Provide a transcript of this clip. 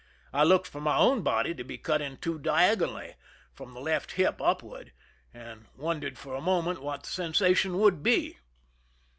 I looked for my own body to be cut in two diago nally, from the left hip upward, and wondered for a moment what the sensation would be.